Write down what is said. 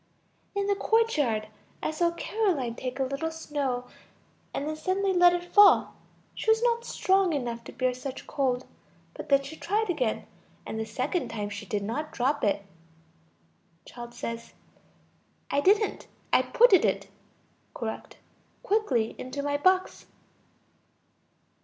In the courtyard, I saw Caroline take a little snow, and then suddenly let it fall; she was not strong enough to bear such cold. But then she tried again, and the second time she did not drop it. Child. I didn't. I putted it (correct) quickly into my box.